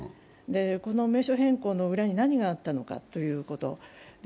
この名称変更の裏に何があったのかということ。